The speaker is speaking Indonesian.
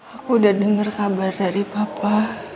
aku udah dengar kabar dari papa